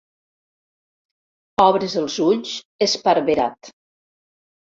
Obres els ulls, esparverat.